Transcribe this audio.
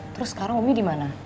terus sekarang umi dimana